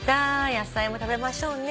野菜も食べましょうね。